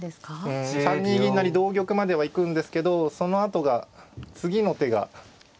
うん３二銀成同玉までは行くんですけどそのあとが次の手が。